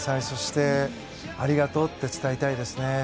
そしてありがとうって伝えたいですね。